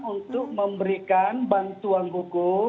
untuk memberikan bantuan hukum